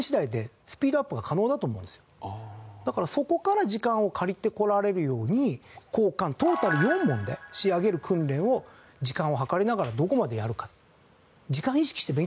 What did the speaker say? だからそこから時間を借りてこられるように古・漢トータル４問で仕上げる訓練を時間を計りながらどこまでやるか。